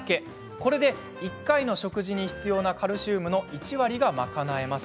これで１回の食事に必要なカルシウムの１割が賄えます。